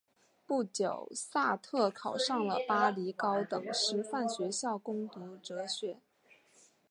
不久萨特考上了巴黎高等师范学校攻读哲学。